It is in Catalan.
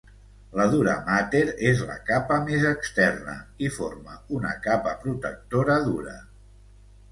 La duramàter és la capa més externa i forma una capa protectora dura.